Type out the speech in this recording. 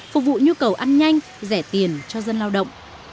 phục vụ nhu cầu ăn nhanh rẻ tiền cho dân lao động